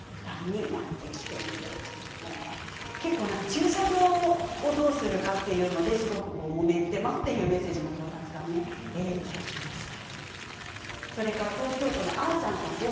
駐車場をどうするかということでもめていますというメッセージもたくさん今日はいただきました。